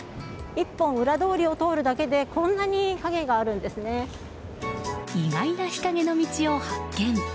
１本裏通りを通るだけで意外な日陰の道を発見。